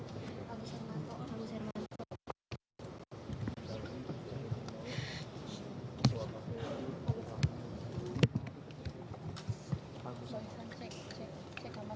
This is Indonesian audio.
lagu kebangsaan indonesia raya